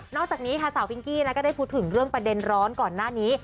อกจากนี้ค่ะสาวพิงกี้ก็ได้พูดถึงเรื่องประเด็นร้อนก่อนหน้านี้